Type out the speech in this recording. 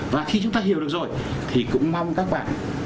và khi chúng ta hiểu được rồi thì cũng mong các bạn